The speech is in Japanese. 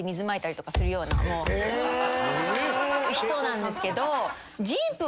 人なんですけど。